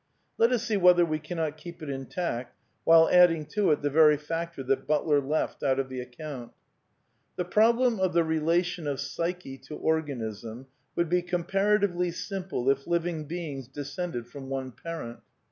Let us see whether we cannot keep it intact while adding to it the very factor that Butler left out of the account. The problem of the relation of psyche to organism would be comparatively simple if living beings descended from one parent.